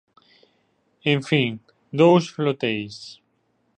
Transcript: En fin, dous floteis.